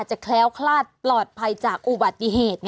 แคล้วคลาดปลอดภัยจากอุบัติเหตุ